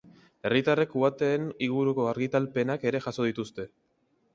Herritarrek uhateen inguruko argitalpenak ere jaso dituzte.